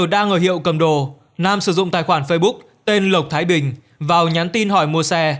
đang ngờ hiệu cầm đồ nam sử dụng tài khoản facebook tên lộc thái bình vào nhắn tin hỏi mua xe